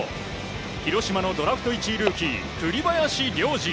広島のドラフト１位ルーキー栗林良吏。